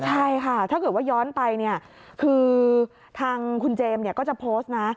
ใช่ค่ะถ้าเกิดว่าย้อนไปเนี่ยคือทางคุณเจมส์ก็จะโพสต์นะ